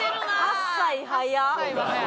８歳早っ！